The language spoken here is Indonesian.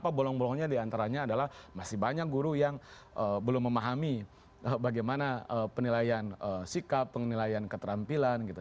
apa bolong bolongnya diantaranya adalah masih banyak guru yang belum memahami bagaimana penilaian sikap penilaian keterampilan gitu